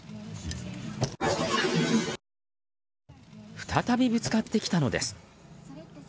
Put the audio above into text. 再びぶつかってきたのです。